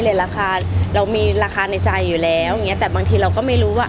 ราคาเรามีราคาในใจอยู่แล้วอย่างเงี้แต่บางทีเราก็ไม่รู้ว่า